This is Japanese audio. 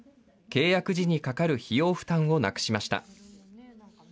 契約時にかかる費用負担をなくしました。